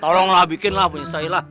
tolonglah bikinlah punya saya lah